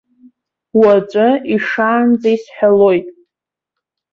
Уаҵәы ишаанӡа исҳәалоит.